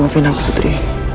maafin aku putri